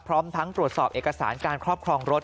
พร้อมทั้งตรวจสอบเอกสารการครอบครองรถ